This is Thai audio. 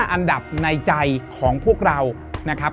อันดับในใจของพวกเรานะครับ